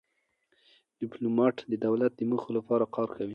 ډيپلومات د دولت د موخو لپاره کار کوي.